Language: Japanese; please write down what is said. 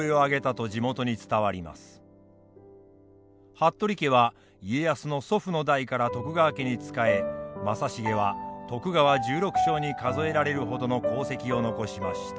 服部家は家康の祖父の代から徳川家に仕え正成は徳川十六将に数えられるほどの功績を残しました。